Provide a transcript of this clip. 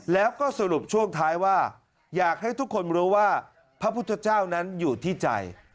แล้วก็สรุปช่วงท้ายว่าอยากให้ทุกคนรู้ว่าพระพุทธเจ้านั้นอยู่ที่ใจ